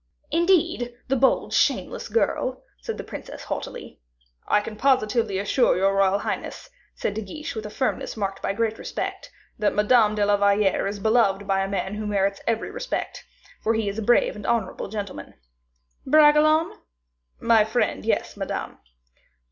"Indeed! the bold, shameless girl," said the princess, haughtily. "I can positively assure your royal highness," said De Guiche, with a firmness marked by great respect, "that Mademoiselle de la Valliere is beloved by a man who merits every respect, for he is a brave and honorable gentleman." "Bragelonne?" "My friend; yes, Madame."